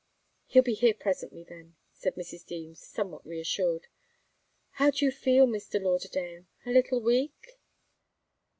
"He'll be here presently, then," said Mrs. Deems, somewhat reassured. "How do you feel, Mr. Lauderdale? A little weak?"